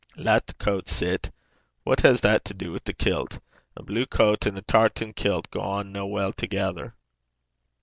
'Lat the coat sit. What has that to do wi' the kilt? A blue coat and a tartan kilt gang na weel thegither.'